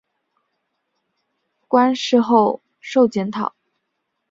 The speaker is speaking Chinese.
馆试后授检讨。